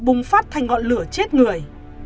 bùng phát thành ngọn lửa chết người